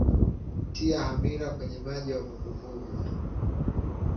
Tia hamira kwenye maji ya uvuguvugu